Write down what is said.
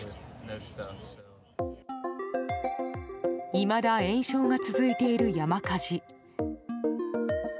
いまだ延焼が続いている山火事。